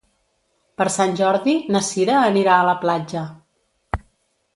Per Sant Jordi na Sira anirà a la platja.